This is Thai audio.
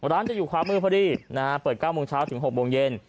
จะอยู่ขวามือพอดีนะฮะเปิด๙โมงเช้าถึง๖โมงเย็น